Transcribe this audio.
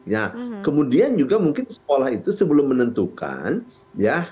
ya kemudian juga mungkin sekolah itu sebelum menentukan ya